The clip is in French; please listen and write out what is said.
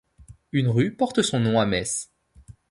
Une rue porte son nom à Metz.